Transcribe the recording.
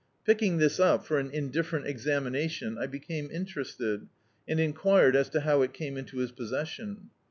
Picking this up, for an indifferent exami nation, I became interested, and enquired as to how it came into his possession.